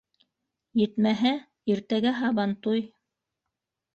Етмәһә, иртәгә - һабантуй.